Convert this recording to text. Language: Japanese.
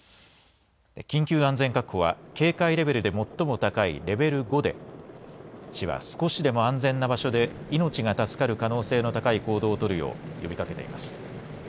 緊急安全確保は警戒レベルで最も高いレベル５で市は少しでも安全な場所で命が助かる可能性の高い行動を取るよう呼びかけています。